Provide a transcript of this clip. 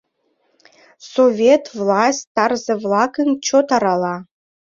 Совет власть тарзе-влакым чот арала.